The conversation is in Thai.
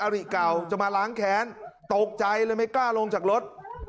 ริเก่าจะมาล้างแค้นตกใจเลยไม่กล้าลงจากรถ